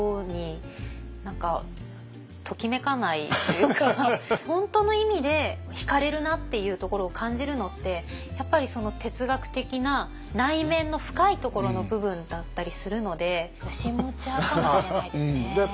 確かに本当の意味でひかれるなっていうところを感じるのってやっぱり哲学的な内面の深いところの部分だったりするので義持派かもしれないですね。